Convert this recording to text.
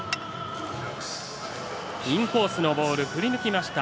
インコースのボール振り抜きました。